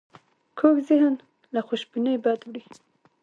کوږ ذهن له خوشبینۍ بد وړي